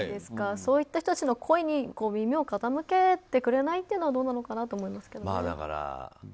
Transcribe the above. そういった人たちの声に耳を傾けてくれないっていうのはどうなのかなと思いますけどね。